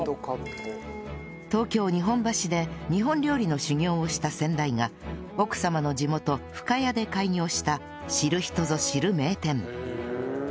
東京日本橋で日本料理の修業をした先代が奥様の地元深谷で開業した知る人ぞ知る名店